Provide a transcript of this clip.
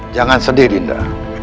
jangan sedih dinda